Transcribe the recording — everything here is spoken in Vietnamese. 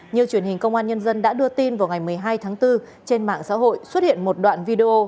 như truyền hình công an nhân dân đã đưa tin vào ngày một mươi hai tháng bốn trên mạng xã hội xuất hiện một đoạn video